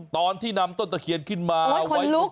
ตอนที่นำต้นตะเคียนขึ้นมาไว้